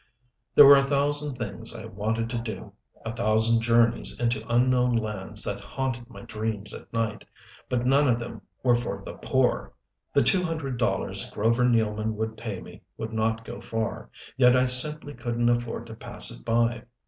There were a thousand things I wanted to do, a thousand journeys into unknown lands that haunted my dreams at night, but none of them were for the poor. The two hundred dollars Grover Nealman would pay me would not go far, yet I simply couldn't afford to pass it by.